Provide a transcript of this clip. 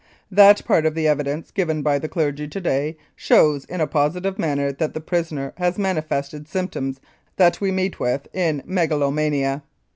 That part of the evidence given by the clergy to day shows in a positive manner that the prisoner has manifested symptoms that we meet with in megalomania.